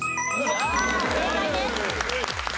正解です。